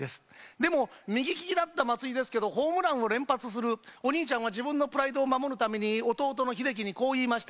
でも、右利きだった松井ですけれども、ホームランを連発するお兄ちゃんは自分のプライドを守るために、弟・秀喜に言いました。